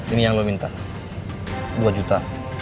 ini yang lo minta dua juta